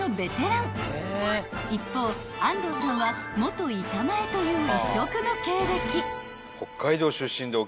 ［一方安藤さんは元板前という異色の経歴］